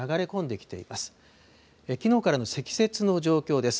きのうからの積雪の状況です。